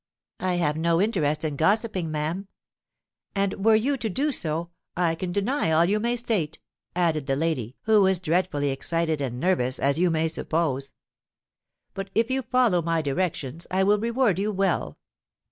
'—'I have no interest in gossiping, ma'am.'—'And were you to do so, I can deny all you may state,' added the lady, who was dreadfully excited and nervous, as you may suppose. 'But if you follow my directions, I will reward you well.'